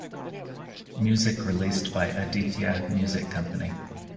Music released by Aditya Music Company.